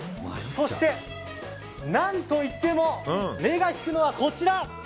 そして、何といっても目が引くのはこちら！